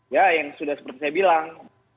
ya yang sudah seperti saya bilang